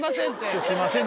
「すいません」